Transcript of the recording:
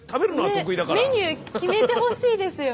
メニュー決めてほしいですよ。